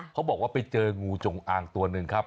เขาบอกว่าไปเจองูจงอางตัวหนึ่งครับ